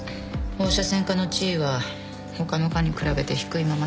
放射線科の地位は他の科に比べて低いままだし。